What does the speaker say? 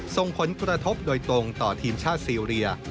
ส่งผลกระทบโดยตรงต่อทีมชาติซีเรีย